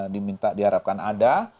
diminta diharapkan ada